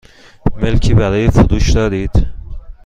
ملکی برای فروش دارید؟